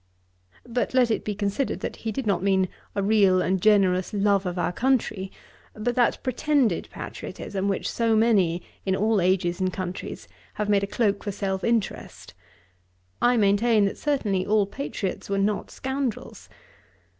But let it be considered, that he did not mean a real and generous love of our country, but that pretended patriotism which so many, in all ages and countries, have made a cloak for self interest. I maintain, that certainly all patriots were not scoundrels.